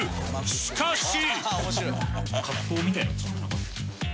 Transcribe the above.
しかし